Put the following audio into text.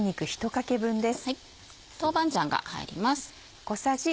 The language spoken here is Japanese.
豆板醤が入ります。